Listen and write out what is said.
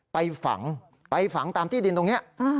ไปฝังไปฝังตามที่ดินตรงนี้